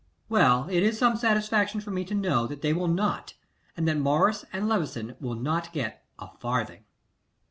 'Well, it is some satisfaction for me to know that they will not, and that Morris and Levison will not get a farthing.